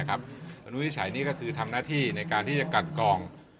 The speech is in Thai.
วินิจฉัยนี้ก็คือทำหน้าที่ในการที่จะกันกอง